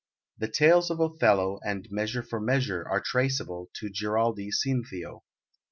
The tales of Othello and Measure for Measure are traceable to Giraldi Cinthio.